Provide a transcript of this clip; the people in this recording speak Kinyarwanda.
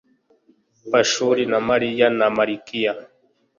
pashuri na amariya na malikiya